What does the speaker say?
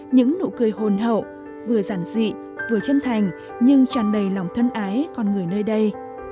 những nụ cười hồn hậu vừa giản dị vừa chân thành nhưng tràn đầy lòng thân ái con người nơi đây